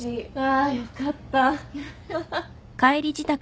あよかった。